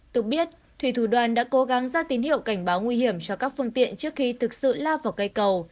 được biết thủy thủ đoàn đã cố gắng ra tín hiệu cảnh báo nguy hiểm cho các phương tiện trước khi thực sự la vào cây cầu